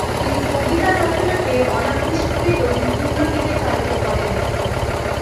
তিনি কবিতা রচনাকে অনাবিষ্কৃত বিভিন্ন দিকে চালিত করেন।